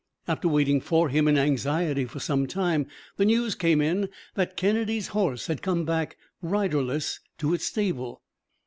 After waiting for him in anxiety for some time, the news came in that Kennedy's horse had come back riderless to its stable.